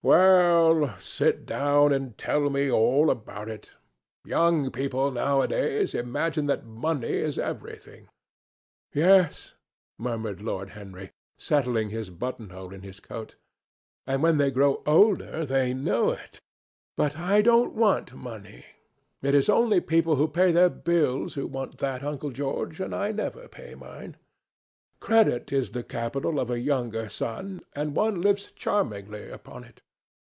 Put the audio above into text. "Well, sit down and tell me all about it. Young people, nowadays, imagine that money is everything." "Yes," murmured Lord Henry, settling his button hole in his coat; "and when they grow older they know it. But I don't want money. It is only people who pay their bills who want that, Uncle George, and I never pay mine. Credit is the capital of a younger son, and one lives charmingly upon it.